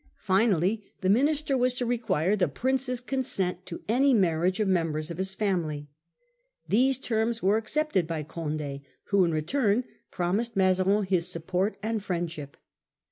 Finally the minister was to require the Prince's consent to any marriage of members of his family. These terms were accepted by Condd, who in return promised Mazarin his support and friendship.